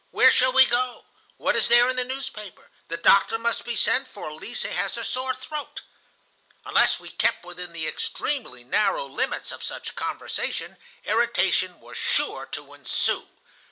Where shall we go? What is there in the newspaper? The doctor must be sent for, Lise has a sore throat.' "Unless we kept within the extremely narrow limits of such conversation, irritation was sure to ensue.